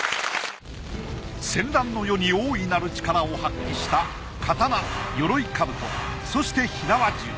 戦乱の世に大いなる力を発揮した刀鎧兜そして火縄銃。